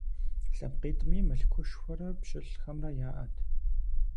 ЛъэпкъитӀми мылъкушхуэрэ пщылӀхэмрэ яӀэт.